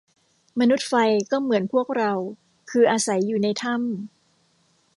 มนุษย์ไฟก็เหมือนพวกเรา คืออาศัยอยู่ในถ้ำ